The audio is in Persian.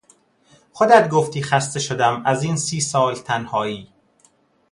خودت گفتی خسته شدم از این سی سال تنهایی